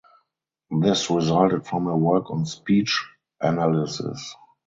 This resulted from her work on speech analysis.